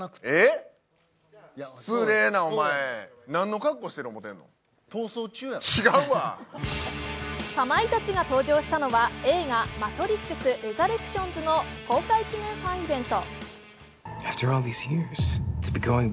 かまいたちが登場したのは映画「マトリックスレザレクションズ」の公開記念ファンイベント。